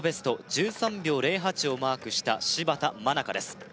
１３秒０８をマークした芝田愛花です